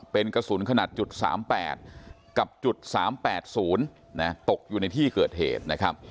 เป็นกระสุนขนาด๓๘กับ๓๘๐ตกอยู่ในที่เกิดเหตุ